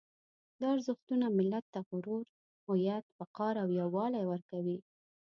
دا ارزښتونه ملت ته غرور، هویت، وقار او یووالی ورکوي.